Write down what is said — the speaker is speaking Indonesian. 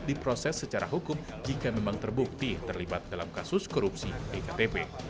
diproses secara hukum jika memang terbukti terlibat dalam kasus korupsi iktp